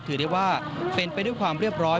ถือได้ว่าเป็นไปด้วยความเรียบร้อย